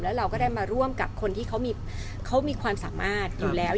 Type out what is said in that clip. แล้วเราก็ได้มาร่วมกับคนที่เขามีความสามารถอยู่แล้ว